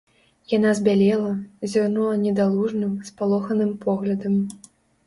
Яна збялела, зірнула недалужным, спалоханым поглядам.